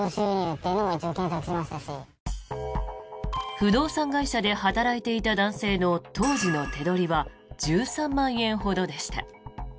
不動産会社で働いていた男性の当時の手取りは１３万円ほどでした。